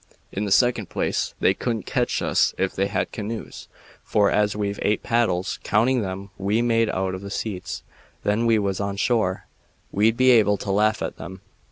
In the second place, they couldn't ketch us if they had canoes, for, as we've eight paddles, counting them we made out of the seats when we was on shore, we'd be able to laugh at 'em.